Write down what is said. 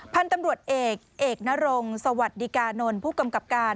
พันธุ์ตำรวจเอกเอกนรงสวัสดิกานนท์ผู้กำกับการ